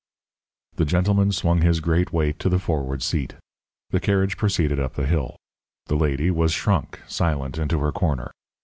The gentleman swung his great weight to the forward seat. The carriage proceeded up the hill. The lady was shrunk, silent, into her corner.